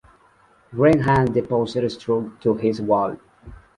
Grant had the poster stuck to his wall.